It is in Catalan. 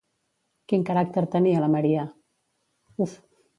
Quin caràcter tenia la Maria?